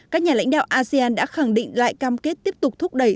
các nhà lãnh đạo asean đã khẳng định lại cam kết tiếp tục thúc đẩy